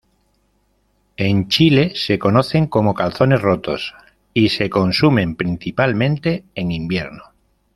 En Chile se conocen como calzones rotos y se consumen principalmente en invierno.